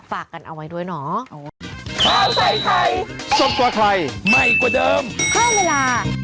ฝากกันเอาไว้ด้วยเนาะ